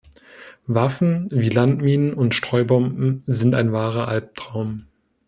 Waffen wie Landminen und Streubomben sind ein wahrer Alptraum.